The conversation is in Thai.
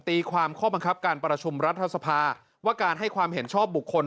ตีความข้อบังคับการประชุมรัฐสภาว่าการให้ความเห็นชอบบุคคล